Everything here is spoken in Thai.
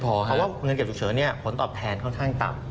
เพราะคุณเงินเก็บฉุกเฉอเนี่ยผลตอบแทนค่อนข้างตับ